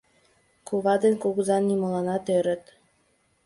Кува ден кугыза нимоланат ӧрыт: